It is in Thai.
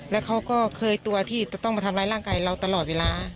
แล้วเขาก็เคยตัวที่จะต้องมาทำร้ายร่างกายเราตลอดเวลา